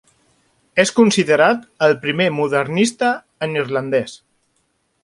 És considerat el primer modernista en irlandès.